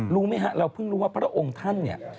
รู้มั้ยคะเราเพิ่งรู้ว่าพระองค์ท่าน